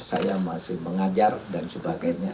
saya masih mengajar dan sebagainya